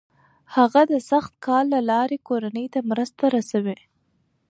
هغه د سخت کار له لارې کورنۍ ته مرسته رسوي.